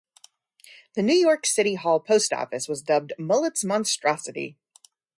The New York City Hall Post Office was dubbed Mullett's monstrosity.